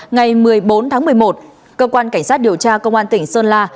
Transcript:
ngày một mươi bốn tháng một mươi một cơ quan cảnh sát điều tra công an tỉnh sơn la